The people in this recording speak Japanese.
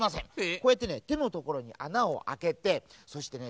こうやってねてのところにあなをあけてそしてね